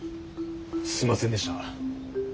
すいませんでした。